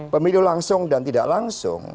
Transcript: pemilu langsung dan tidak langsung